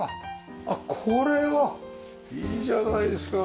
あっこれはいいじゃないですか。